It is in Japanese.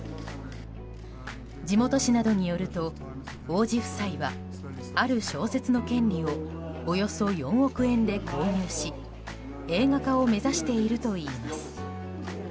地元紙などによると王子夫妻はある小説の権利をおよそ４億円で購入し映画化を目指しているといいます。